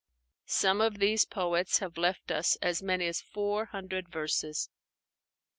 Some of these poets have left us as many as four hundred verses.